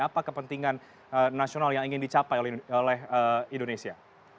apa kepentingan nasional yang ingin dicapai oleh indonesia